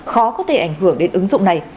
khó có thể ảnh hưởng đến ứng dụng này